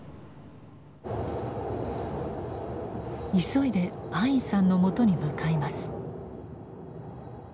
急いでアインさんのもとに向かいます。